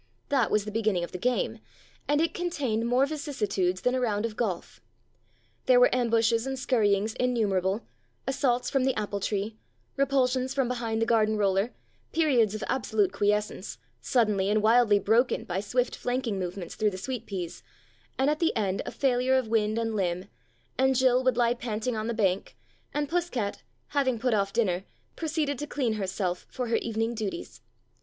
That was the beginning of the game, and it contained more vicissi tudes than a round of golf. There were ambushes and scurryings innumerable, assaults from the apple tree, repulsions from behind the garden roller, periods of absolute quiescence, suddenly and wildly broken by swift flanking movements through the sweet peas, and at the end a failure of wind and limb, and Jill would lie panting on the bank, and Puss cat, having put off dinner, proceed to clean herself for her even ing duties.